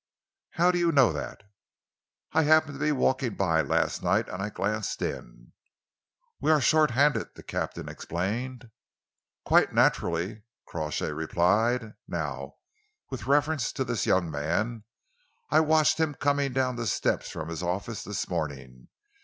"How do you know that?" "I happened to be walking by last night, and I glanced in." "We are short handed," the captain explained. "Quite naturally," Crawshay replied. "Now with reference to this young man, I watched him coming down the steps from his office this morning.